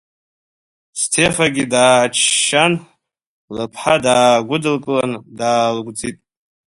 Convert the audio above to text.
Стефагьы дааччан, лыԥҳа даагәыдылкылан, даалгәӡит.